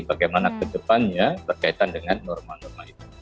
bagaimana ke depannya berkaitan dengan norma norma itu